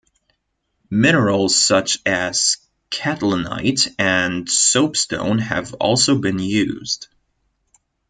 Minerals such as catlinite and soapstone have also been used.